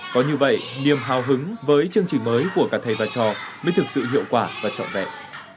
có như vậy niềm hào hứng với chương trình mới của cả thầy và trò mới thực sự hiệu quả và trọn vẹn